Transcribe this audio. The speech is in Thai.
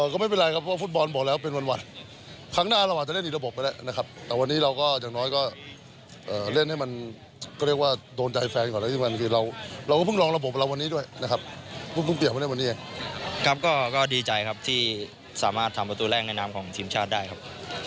สามารถทำประตูแรกในนามของทีมชาติได้ครับ